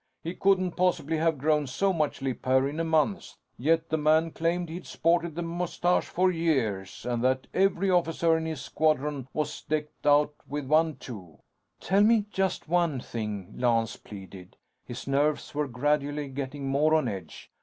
He couldn't possibly have grown so much lip hair in a month. Yet, the man claimed he'd sported the mustache for years; and that every officer in his squadron was decked out with one, too." "Tell me just one thing," Lance pleaded. His nerves were gradually getting more on edge.